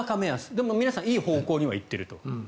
でも皆さんいい方向には行っていると。